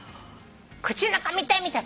口の中見てみたい！